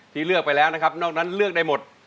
เลือกไปแล้วนะครับนอกนั้นเลือกได้หมด